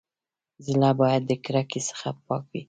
زړه بايد د کرکي څخه پاک وي.